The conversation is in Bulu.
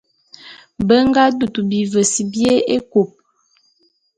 Be nga dutu bivese bié ékôp.